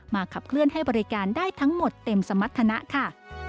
ขับเคลื่อนให้บริการได้ทั้งหมดเต็มสมรรถนะค่ะ